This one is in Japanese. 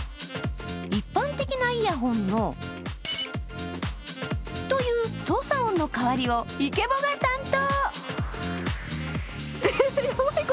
一般的なイヤホンのピピッという操作音の代わりをイケボが担当。